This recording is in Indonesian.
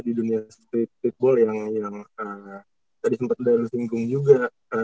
di dunia streetball yang tadi sempat lo singgung juga